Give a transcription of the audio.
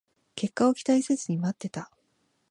結果を期待せずに待ってた